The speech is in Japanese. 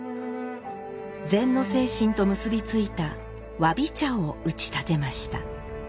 禅の精神と結び付いた「侘び茶」を打ち立てました。